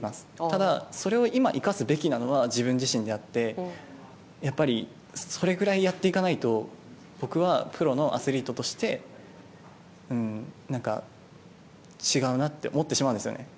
ただ、それを今生かすべきなのは自分自身であってそれぐらいやっていかないと僕は、プロのアスリートとして違うなって思ってしまうんですよね。